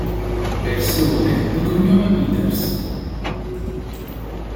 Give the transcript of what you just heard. Persone di cognome Peters